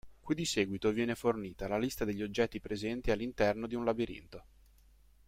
Qui di seguito viene fornita la lista degli oggetti presenti all'interno di un labirinto.